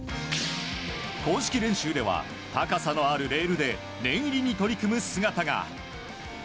公式練習では高さのあるレールで念入りに取り組む姿が。